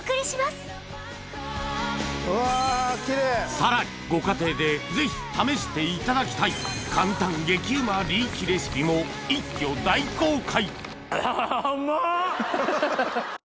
さらにご家庭でぜひ試していただきたい簡単激うまリーキレシピも一挙大公開！